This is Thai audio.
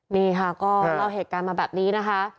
นี่ค่ะก็เล่าเหตุการณ์มาแบบนี้นะคะ